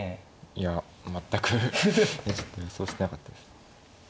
いや全く予想してなかったです。